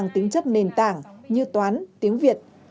tính chất nền tảng như toán tiếng việt